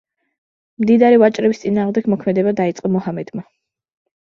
მდიდარი ვაჭრების წინააღმდეგ მოქმედება დაიწყო მუჰამედმა.